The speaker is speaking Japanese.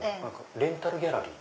レンタルギャラリー？